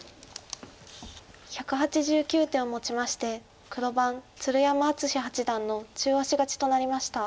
１８９手をもちまして黒番鶴山淳志八段の中押し勝ちとなりました。